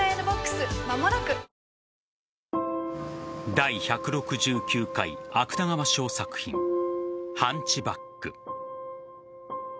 第１６９回芥川賞作品「ハンチバック」